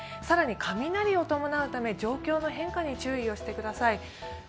更に雷を伴うため、状況の変化に注意をしてください。